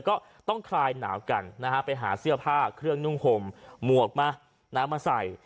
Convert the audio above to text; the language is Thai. ก็ต้องคลายหนาวกันนะฮะไปหาเสื้อผ้าเครื่องนุ่งห่มหมวกมาน้ำมาใส่